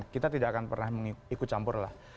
kita tidak akan pernah ikut campur lah